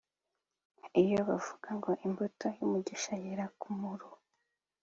Iyo bavuze ngo imbuto y’umugisha yera ku muruho